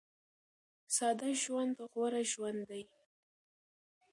ساده ژوند غوره ژوند دی.